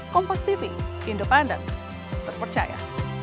pompas tv independent berpercaya